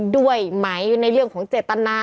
ด้วยไหมในเรื่องของเจตนา